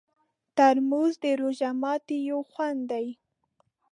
ترموز د روژه ماتي یو خوند دی.